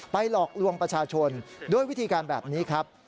หลอกลวงประชาชนด้วยวิธีการแบบนี้ครับ